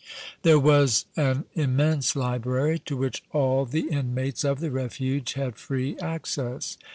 There was an immense library, to which all the inmates of the Refuge had free access.